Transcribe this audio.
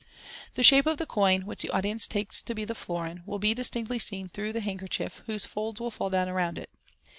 The shape of the coin, which the audience take to be the florin, will be distinctly seen through the handkerchief, whose folds will fall down around it.